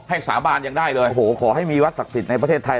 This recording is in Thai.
สาบานยังได้เลยโอ้โหขอให้มีวัดศักดิ์สิทธิ์ในประเทศไทย